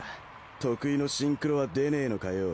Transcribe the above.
得意のシンクロは出ねえのかよ？